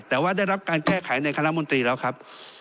แต่ว่าได้รับการแก้ไขในคณะมนตรีแล้วครับ